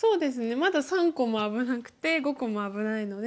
まだ３個も危なくて５個も危ないので。